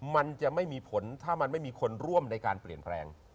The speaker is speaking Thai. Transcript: มันจะไม่มีผลถ้ามันไม่มีคนร่วมในการเปลี่ยนแปลง